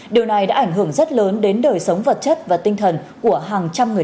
điều này đã ảnh hưởng rất lớn đến đời sống vật chất và tinh thần của hàng trăm người